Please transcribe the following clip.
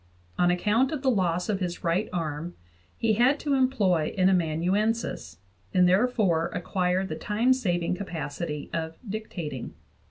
On account of the loss of his right arm he had to employ an amanuensis, and therefore acquired the time saving capacity of dictating.